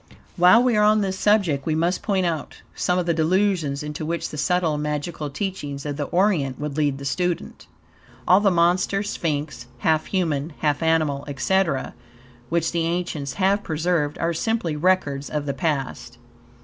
While we are on this subject, we must point out some of the delusions, into which the subtle, magical teachings of the Orient would lead the student. All the monster sphinx, half human, half animal, etc., which the ancients have preserved, are simply records of the past.